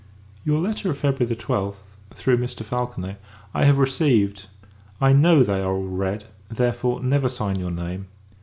Your letter of February 12th, through Mr. Falconet, I have received. I know, they are all read; therefore, never sign your name.